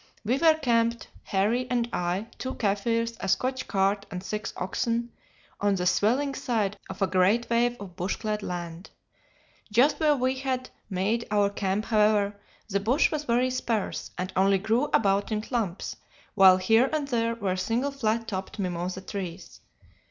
We were camped Harry and I, two Kaffirs, a Scotch cart, and six oxen on the swelling side of a great wave of bushclad land. Just where we had made our camp, however, the bush was very sparse, and only grew about in clumps, while here and there were single flat topped mimosa trees.